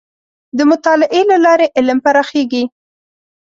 د مطالعې له لارې علم پراخېږي.